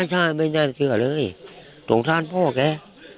มันเป็นท่านมันเป็นท่านเชื่อเลยสงสารพ่อแก